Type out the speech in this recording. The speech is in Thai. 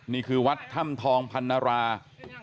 นี่คือวัดธรรมทองธรรณาราชีวิต